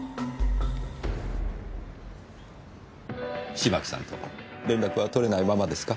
芝木さんと連絡は取れないままですか？